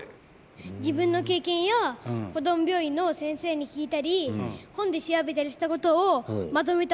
自分の経験やこども病院の先生に聞いたり本で調べたりしたことをまとめたものです。